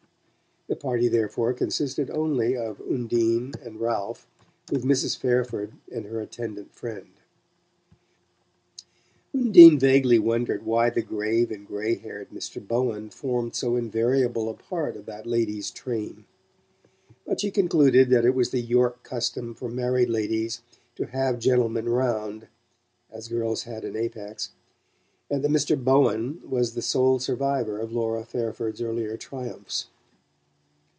The party, therefore, consisted only of Undine and Ralph, with Mrs. Fairford and her attendant friend. Undine vaguely wondered why the grave and grey haired Mr. Bowen formed so invariable a part of that lady's train; but she concluded that it was the York custom for married ladies to have gentlemen "'round" (as girls had in Apex), and that Mr. Bowen was the sole survivor of Laura Fairford's earlier triumphs.